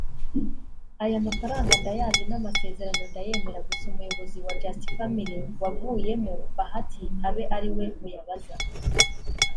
“Aya mafaranga ndayazi n’amasezerano ndayemera gusa Umuyobozi wa Just Family wavuyemo (Bahati) abe ariwe muyabaza